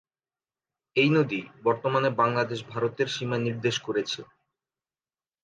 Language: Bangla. এই নদী বর্তমানে বাংলাদেশ-ভারতের সীমা নির্দেশ করেছে।